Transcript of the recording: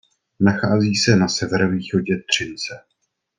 Nachází se na severovýchodě Třince.